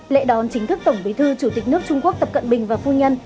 lễ đón chính thức tổng bí thư chủ tịch nước trung quốc tập cận bình và phu nhân